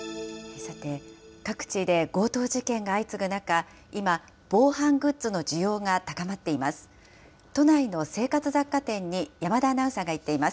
さて、各地で強盗事件が相次ぐ中、今、防犯グッズの需要が高まっています。